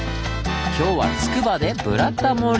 今日はつくばで「ブラタモリ」！